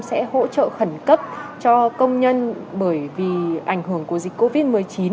sẽ hỗ trợ khẩn cấp cho công nhân bởi vì ảnh hưởng của dịch covid một mươi chín